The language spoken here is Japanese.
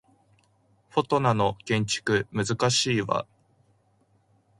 フォトナの建築難しいわ